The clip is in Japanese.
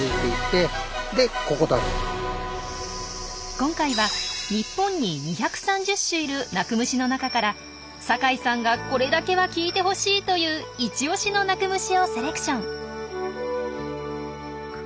今回は日本に２３０種いる鳴く虫の中から酒井さんが「これだけは聞いてほしい」という一押しの鳴く虫をセレクション。